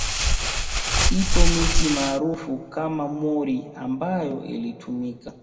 Ipo miti maarufu kama mwori ambayo ilitumika